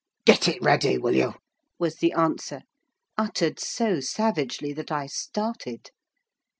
"Get it ready, will you?" was the answer, uttered so savagely that I started.